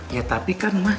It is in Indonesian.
ya tapi kan ma